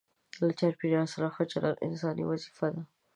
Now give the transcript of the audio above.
له چاپیریال سره ښه چلند انساني وظیفه ده.